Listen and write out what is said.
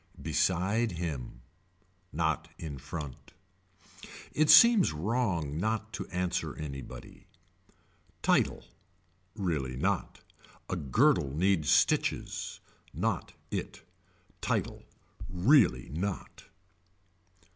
Beside him. Not in front. It seems wrong not to answer anybody. Title. Really not. A girdle needs stitches. Not it. Title. Really not.